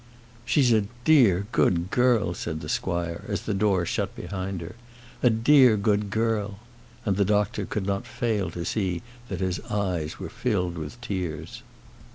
"She's a dear, good girl," said the squire, as the door shut behind her; "a dear good girl;" and the doctor could not fail to see that his eyes were filled with tears.